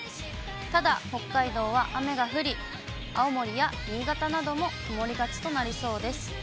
ただ、北海道は雨が降り、青森や新潟なども曇りがちとなりそうです。